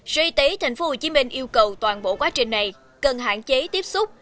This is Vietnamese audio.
sở y tế tp hcm yêu cầu toàn bộ quá trình này cần hạn chế tiếp xúc